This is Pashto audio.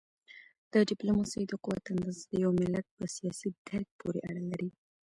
د ډیپلوماسی د قوت اندازه د یو ملت په سیاسي درک پورې اړه لري.